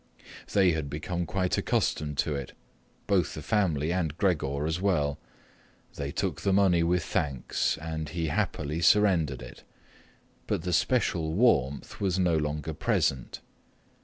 They had become quite accustomed to it, both the family and Gregor as well. They took the money with thanks, and he happily surrendered it, but the special warmth was no longer present.